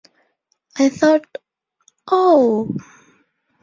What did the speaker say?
I thought, 'Oh!